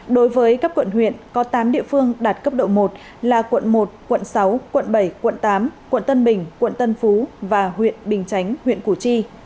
đối với các quận huyện có tám địa phương đạt cấp độ một là quận một quận sáu quận bảy quận tám quận tân bình quận tân phú và huyện bình chánh huyện củ chi